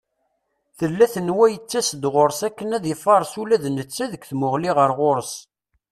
Tella tenwa yettas-d ɣur-s akken ad ifares ula d netta deg tmuɣli ɣer ɣur-s.